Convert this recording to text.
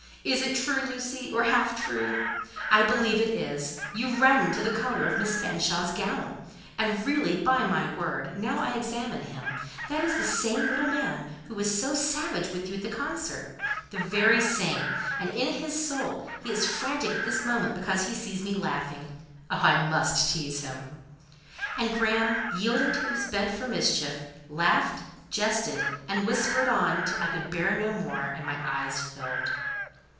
Is it true, Lucy, or half true? I believe it is: you redden to the colour of Miss Fanshawe's gown. And really, by my word, now I examine him, that is the same little man who was so savage with you at the concert: the very same, and in his soul he is frantic at this moment because he sees me laughing. Oh! I must tease him." And Graham, yielding to his bent for mischief, laughed, jested, and whispered on till I could bear no more, and my eyes filled.